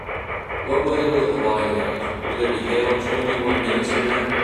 What weather will Hawaii have will there be hail twenty one minutes from now